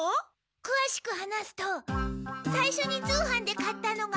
くわしく話すとさいしょに通販で買ったのが。